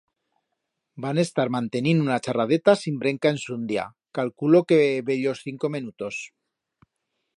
Vam estar mantenind una charradeta sin brenca ensundia, calculo que bellos cinco menutos.